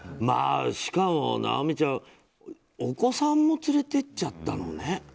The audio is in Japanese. しかも尚美ちゃん、お子さんもつれてっちゃったもんね。